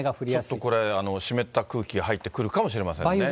ちょっとこれ、湿った空気入ってくるかもしれませんね。